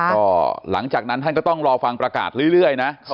ก็หลังจากนั้นท่านก็ต้องรอฟังประกาศเรื่อยนะ